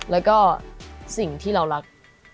แล้วก็สิ่งที่เรารัก